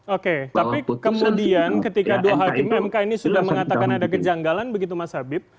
oke tapi kemudian ketika dua hakim mk ini sudah mengatakan ada kejanggalan begitu mas habib